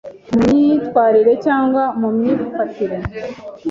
mu myitwarire cyangwa mu myifatire